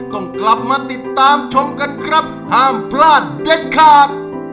ต้องกลับมาติดตามชมกันครับห้ามพลาดเด็ดขาด